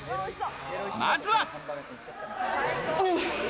まずは。